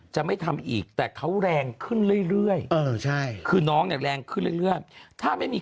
จะไม่ทำอีกแต่เขาแรงขึ้นเรื่อยคือน้องเนี่ยแรงขึ้นเรื่อยถ้าไม่มี